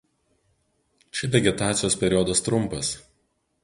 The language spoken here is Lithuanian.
Čia vegetacijos periodas trumpas.